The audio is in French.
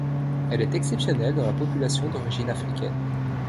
Elle est exceptionnelle dans la population d'origine africaine.